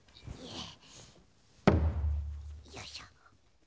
よいしょ。